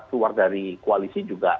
keluar dari koalisi juga